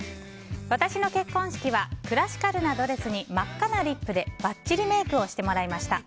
私の結婚式はクラシカルなドレスに真っ赤なリップでバッチリメイクをしてもらいました。